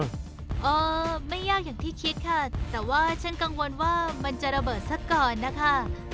ไม่ยากอย่างที่คิดค่ะแต่ว่าฉันกังวลว่ามันจะระเบิดซะก่อนนะคะ